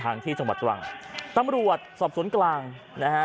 ที่จังหวัดตรังตำรวจสอบสวนกลางนะฮะ